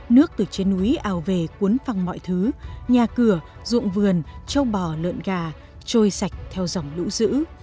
nước từ trên núi ào về cuốn phẳng mọi thứ nhà cửa ruộng vườn trâu bò lợn gà trôi sạch theo dòng lũ giữ